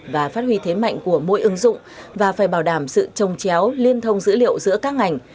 và phát huy thế mạnh của mỗi ứng dụng và phải bảo đảm sự trồng chéo liên thông dữ liệu giữa các ngành